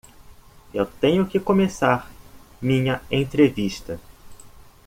Eu tenho que começar minha entrevista.